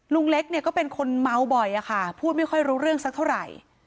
ลุงเล็กเนี่ยก็เป็นคนเมาบ่อยอะค่ะพูดไม่ค่อยรู้เรื่องสักเท่าไหร่